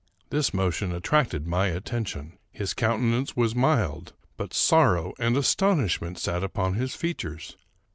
This motion attracted my attention. His countenance was mild, but sorrow and astonishment sat upon his features.